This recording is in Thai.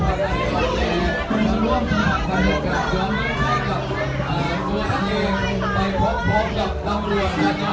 ขอเรียนเจอพี่น้องปากกาศตัวทุกคนที่เดินผ่านไปก่อนมา